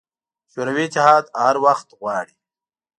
شوروي اتحاد هر وخت غواړي.